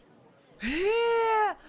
へえ！